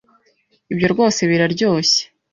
"Ibyo rwose biraryoshye."